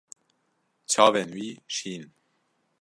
Çavên wî şîn in.